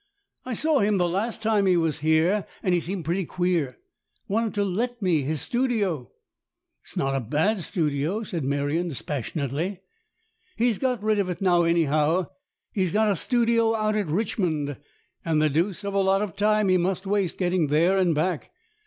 " I saw him the last time he was here, and he seemed pretty queer. Wanted to let me his studio." " It's not a bad studio," said Merion, dispassion ately. " He's got rid of it now, anyhow. He's got a studio out at Richmond, and the deuce of a lot of time he must waste getting there and back.